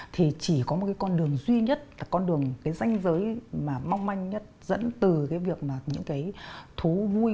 thì chỉ có một con đường duy nhất con đường danh giới mong manh nhất dẫn từ những thú vui